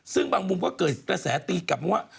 ซึ่งบางมุมก็เกิดกระแสตีกลับมาว่า